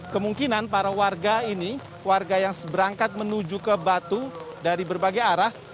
kemungkinan para warga ini warga yang berangkat menuju ke batu dari berbagai arah